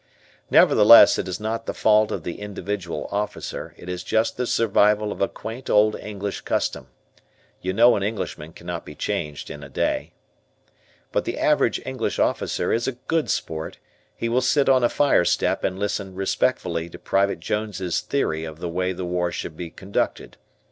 Nevertheless it is not the fault of the individual officer, it is just the survival of a quaint old English custom. You know an Englishman cannot be changed in a day. But the average English officer is a good sport, he will sit on a fire step and listen respectfully to Private Jones's theory of the way the war should be conducted.